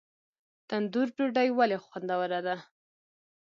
تندور ډوډۍ ولې خوندوره ده؟